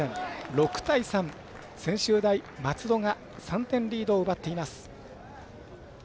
６対３、専修大松戸が３点リードを奪っています。